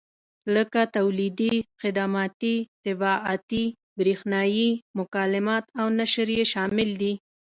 لکه تولیدي، خدماتي، طباعتي، برېښنایي مکالمات او نشر یې شامل دي.